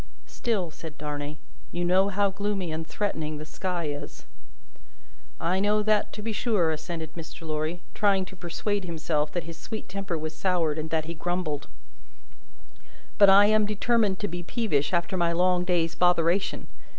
"Still," said Darnay, "you know how gloomy and threatening the sky is." "I know that, to be sure," assented Mr. Lorry, trying to persuade himself that his sweet temper was soured, and that he grumbled, "but I am determined to be peevish after my long day's botheration.